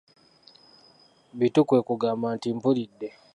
Bittu kwe kugamba nti:"mpulidde"